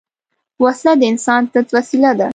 وسله د انسان ضد وسیله ده